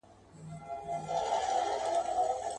ورته جوړه په ګوښه کي هدیره سوه.